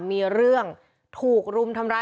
มีเรื่องถูกรุมทำร้าย